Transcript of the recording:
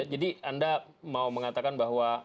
jadi anda mau mengatakan bahwa